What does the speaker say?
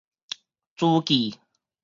諸暨